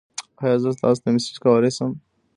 ایا زه تاسو ته میسج کولی شم؟